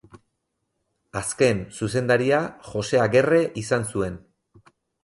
Azken zuzendaria Jose Agerre izan zuen.